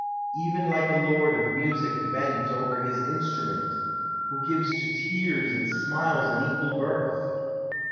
Even like a lord of music bent Over his instrument, Who gives to tears and smiles an equal birth